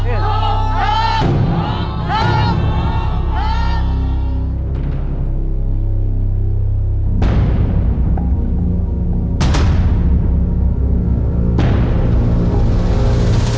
ปลูกธรรม